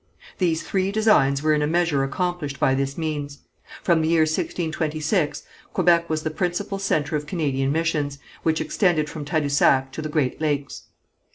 These three designs were in a measure accomplished by this means. From the year 1626 Quebec was the principal centre of Canadian missions, which extended from Tadousac to the Great Lakes.